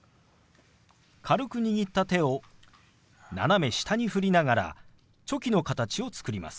軽く握った手を斜め下に振りながらチョキの形を作ります。